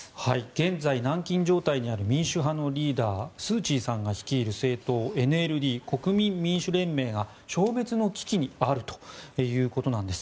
現在、軟禁状態にある民主派のリーダースーチーさんが率いる政党ＮＬＤ・国民民主連盟が消滅の危機にあるということなんです。